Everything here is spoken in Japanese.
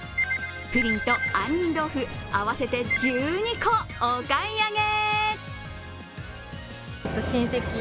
プリンと杏仁豆腐、合わせて１２個、お買い上げ。